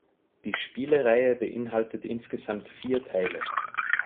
Die Spielereihe beinhaltet insgesamt vier Teile.